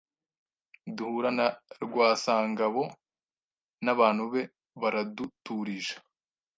duhura na Rwasangabo n'abantu be baraduturisha